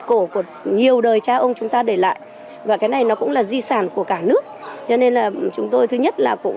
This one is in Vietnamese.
các nhà thông ưu m mê và các nhà thông ưu m mê